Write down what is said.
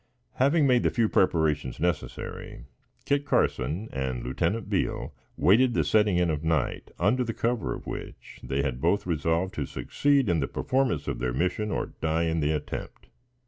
Having made the few preparations necessary, Kit Carson and Lieutenant Beale waited the setting in of night, under the cover of which they had both resolved to succeed in the performance of their mission or die in the attempt.